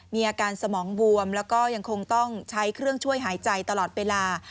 มีอาการสมองบวมแล้วก็ยังคงต้องใช้เครื่องช่วยหายใจตลอดเวลา